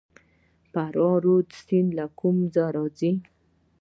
فراه رود سیند له کومه راځي؟